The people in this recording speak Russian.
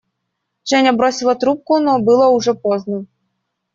Женя бросила трубку, но было уже поздно.